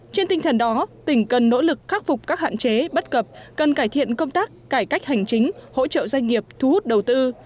trên tinh thần đó tỉnh cần nỗ lực khắc phục các hạn chế bất cập cần cải thiện công tác cải cách hành chính hỗ trợ doanh nghiệp thu hút đầu tư